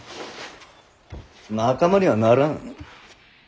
仲間にはならん。